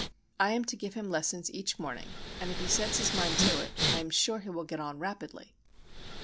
I am to give him lessons each morning, and if he sets his mind to it, I am sure he will get on rapidly.